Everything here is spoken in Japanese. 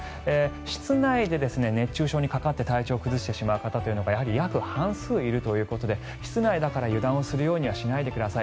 室内で熱中症にかかって体調を崩してしまう方がやはり半数いるということで室内だから油断をしないようにしてください。